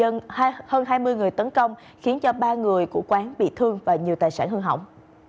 nhiều người bị tấn công khiến ba người của quán bị thương và nhiều tài sản hư hỏng